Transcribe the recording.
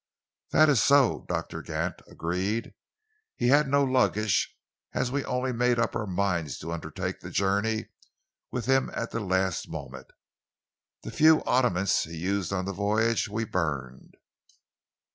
"That is so," Doctor Gant agreed. "He had no luggage, as we only made up our minds to undertake the journey with him at the last moment. The few oddments he used on the voyage, we burned."